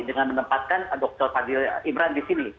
dengan menempatkan dokter fadil imran disini